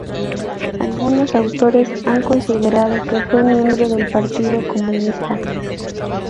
Algunos autores han considerado que fue miembro del Partido Comunista.